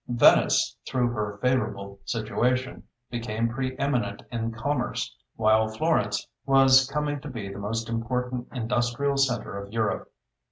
Venice, through her favorable situation, became preeminent in commerce, while Florence was coming to be the most important industrial centre of Europe.